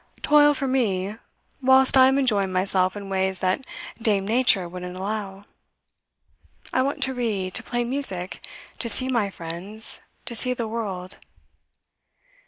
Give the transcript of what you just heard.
Toil for me, whilst I am enjoying myself in ways that Dame Nature wouldn't allow. I want to read, to play music, to see my friends, to see the world.